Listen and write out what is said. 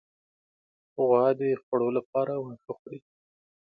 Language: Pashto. غوا د خوړو لپاره واښه خوري.